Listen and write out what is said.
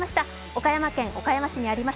岡山県岡山市にあります